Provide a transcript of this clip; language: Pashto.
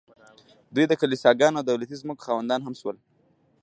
دوی د کلیساګانو او دولتي ځمکو خاوندان هم شول